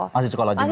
masih sekolah juga ya